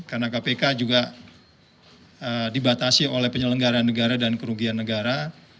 karena kpk juga dibatasi oleh penyelenggaraan negara dan kerugian negara